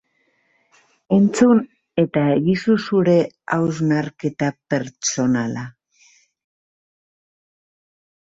Entzun eta egizu zure hausnarketa pertsonala!